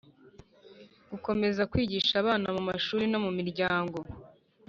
gukomeza kwigisha abana mu mashuri no mu miryango